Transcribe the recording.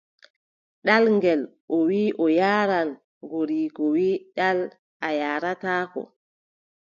Ɗal ngel, o wii o yaaran, goriiko wii : ɗal a yaarataa.